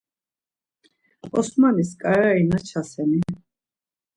Osmanis ǩarari naçaseni?